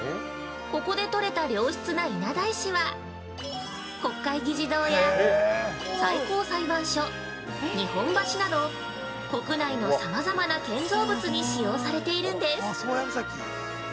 ここで取れた良質な稲田石は国会議事堂や最高裁判所、日本橋など、国内のさまざまな建造物に使用されているんです。